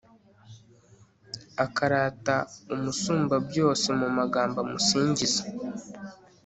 akarata umusumbabyose mu magambo amusingiza